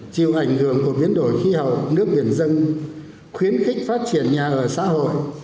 chịu ảnh hưởng của biến đổi khí hậu nước biển dân khuyến khích phát triển nhà ở xã hội